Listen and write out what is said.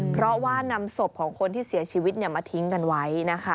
เพราะว่านำศพของคนที่เสียชีวิตมาทิ้งกันไว้นะคะ